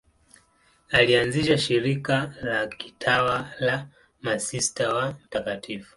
Alianzisha shirika la kitawa la Masista wa Mt.